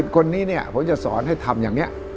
คนนี้เนี่ยผมจะสอนให้ทำอย่างนี้